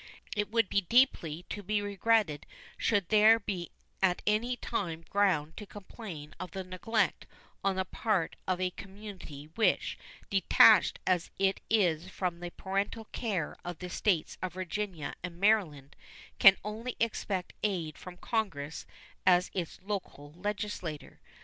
It would be deeply to be regretted should there be at any time ground to complain of neglect on the part of a community which, detached as it is from the parental care of the States of Virginia and Maryland, can only expect aid from Congress as its local legislature.